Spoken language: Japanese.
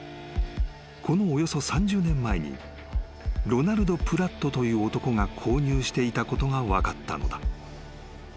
［このおよそ３０年前にロナルド・プラットという男が購入していたことが分かったのだ］